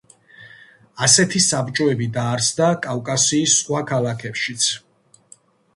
ასეთი საბჭოები დაარსდა კავკასიის სხვა ქალაქებშიც.